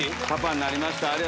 パパになりました